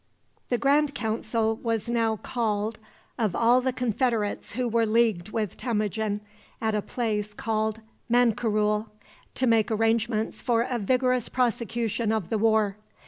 A grand council was now called of all the confederates who were leagued with Temujin, at a place called Mankerule, to make arrangements for a vigorous prosecution of the war.